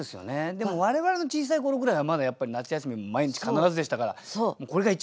でも我々の小さい頃ぐらいはまだやっぱり夏休み毎日必ずでしたからこれが一番の思い出。